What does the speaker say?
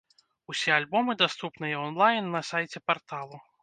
Усе альбомы даступныя он-лайн на сайце парталу.